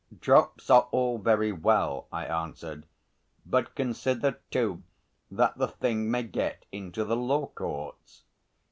"Drops are all very well," I answered, "but consider, too, that the thing may get into the law courts.